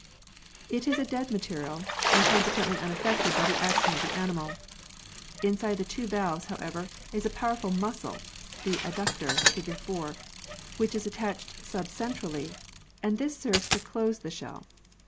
It is a dead material and consequently unaffected by the action of the animal. Inside the two valves, however, is a powerful muscle (the adductor, fig. 4) which is attached subcentrally, and this serves to close the shell.